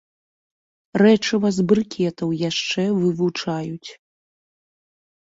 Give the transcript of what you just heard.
Рэчыва з брыкетаў яшчэ вывучаюць.